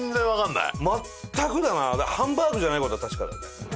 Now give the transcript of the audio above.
ハンバーグじゃない事は確かだよね。